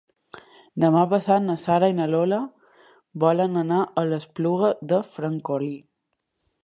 Demà passat na Sara i na Lola volen anar a l'Espluga de Francolí.